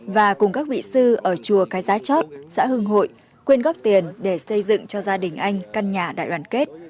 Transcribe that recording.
và cùng các vị sư ở chùa cái giá chót xã hưng hội quyên góp tiền để xây dựng cho gia đình anh căn nhà đại đoàn kết